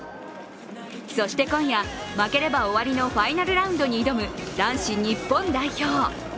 そして今夜、負ければ終わりのファイナルラウンドに挑む男子日本代表。